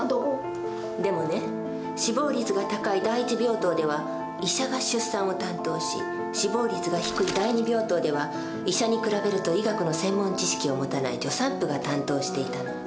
でもね死亡率が高い第一病棟では医者が出産を担当し死亡率が低い第二病棟では医者に比べると医学の専門知識を持たない助産婦が担当していたの。